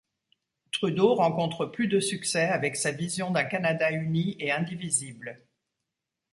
Trudeau rencontre plus de succès avec sa vision d'un Canada uni et indivisible.